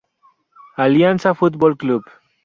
Alianza Fútbol Club